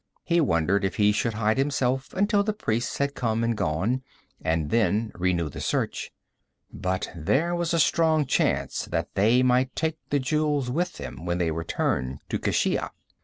He wondered if he should hide himself until the priests had come and gone, and then renew the search. But there was a strong chance that they might take the jewels with them when they returned to Keshia.